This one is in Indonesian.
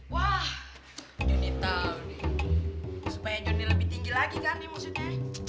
wah jonny tau nih supaya jonny lebih tinggi lagi kan nih maksudnya